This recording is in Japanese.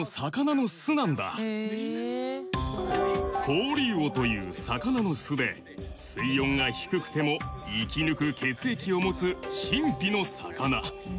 コオリウオという魚の巣で水温が低くても生き抜く血液を持つ神秘の魚。